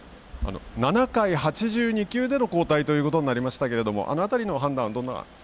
７回、８２球での交代となりましたけれどもあの辺りの判断は？